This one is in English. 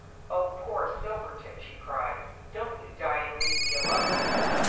"Oh, poor Silvertip, " she cried, " don't you die, and leave me alone."